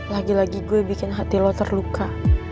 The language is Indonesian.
lagi lagi gue bikin hati lo terluka